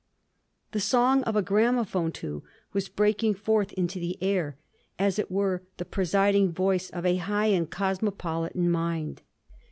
The song of a gramophone, too, was breaking forth into the air, as it were the presiding voice of a high and cosmopolitan mind.